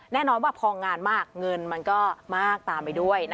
แน่นอนว่าพองานมากเงินมันก็มากตามไปด้วย